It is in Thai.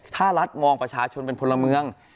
ถ้ารัฐมองประชาชนเป็นพลเมือง